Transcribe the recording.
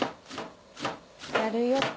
やるよ。